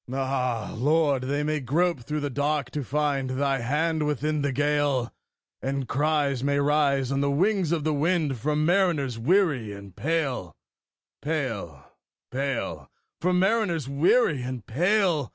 Ah, Lord! they may grope through the dark to find Thy hand within the gale; And cries may rise on the wings of the wind From mariners weary and pale, pale, pale From mariners weary and pale!